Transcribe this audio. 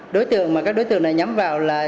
đối tượng mà các đối tượng này nhắm vào là